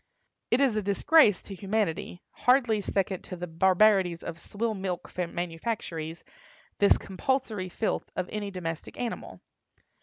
It is a disgrace to humanity, hardly second to the barbarities of swill milk manufactories, this compulsory filth of any domestic animal.